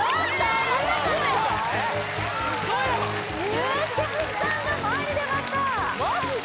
ゆうちゃみさんが前に出ましたマジで？